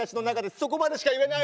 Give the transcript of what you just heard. そこまでしか言えない！